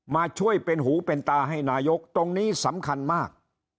มาช่วยเป็นหูเป็นตาให้นายกตรงนี้สำคัญมาก